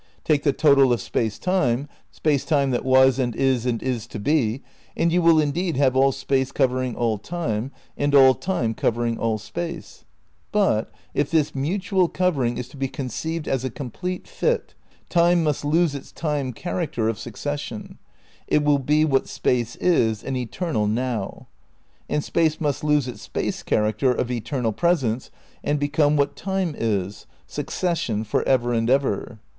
Take the total of Space Time, Space Time that was and is and is to be, and you wiU indeed have all Space covering all Time, and all Time covering all Space; but, if this mutual covering is to be conceived as a complete fit, Time must lose its time character of suc cession, it will be what Space is, an eternal "now"; and Space must lose its space character of eternal presence and become what Time is, succession for ever and ever.